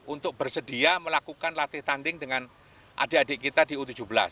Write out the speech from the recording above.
untuk bersedia melakukan latihan tanding dengan adik adik kita di u tujuh belas